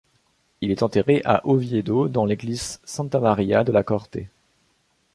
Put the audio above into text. Il est enterré à Oviedo, dans l'église Santa María de la Corte.